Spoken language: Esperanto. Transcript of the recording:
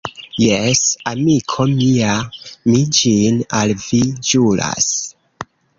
Jes, amiko mia, mi ĝin al vi ĵuras.